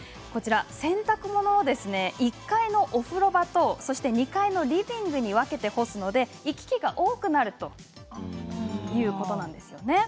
洗濯物を１階のお風呂場と２階のリビングに分けて干すので行き来が多くなるということなんです。